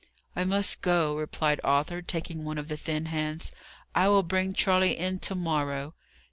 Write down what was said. "I must go," replied Arthur, taking one of the thin hands. "I will bring Charley in to morrow."